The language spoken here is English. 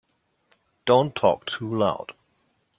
Don't talk too loud.